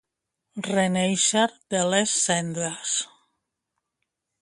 Renéixer de les cendres.